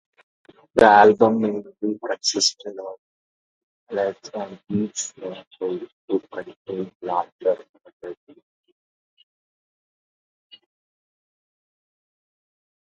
The album mainly consisted of ballads and each song also contained larger melodies.